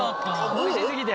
おいし過ぎて。